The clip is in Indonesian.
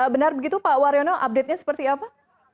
benar begitu pak waryono update nya seperti apa